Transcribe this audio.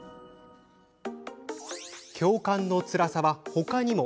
共感のつらさは他にも。